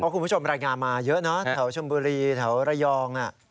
คุณผู้ชมรายงานมาเยอะนะแถวชมบุรีแถวระยอง